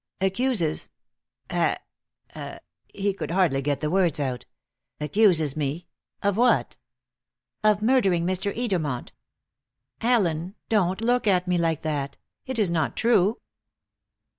"Accuses acc " he could hardly get the words out "accuses me of what?" "Of murdering Mr. Edermont. Allen, don't look at me like that. It is not true?"